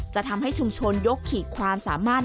จะทำให้ชุมชนยกขีดความสามารถ